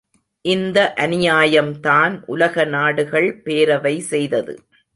இந்த அநியாயம்தான் உலக நாடுகள் பேரவை செய்தது!